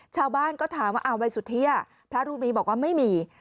ชาวบ้านก็ถามว่าวัยสุเที่ยพระรูปนี้บอกว่าไม่มี